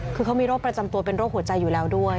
คือเขามีโรคประจำตัวเป็นโรคหัวใจอยู่แล้วด้วย